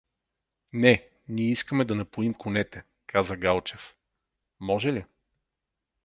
— Не, ний искаме да напоим конете — каза Галчев. — Може ли?